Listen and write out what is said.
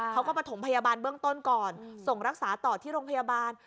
ประถมพยาบาลเบื้องต้นก่อนส่งรักษาต่อที่โรงพยาบาล